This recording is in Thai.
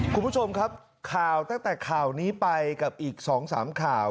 คุณผู้ชมครับข่าวตั้งแต่ข่าวนี้ไปกับอีก๒๓ข่าว